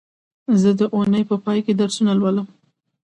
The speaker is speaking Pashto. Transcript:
زه د اونۍ په پای کې درسونه لولم